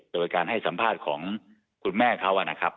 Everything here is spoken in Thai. โดยการให้สัมภาษณ์ของคุณแม่เขานะครับ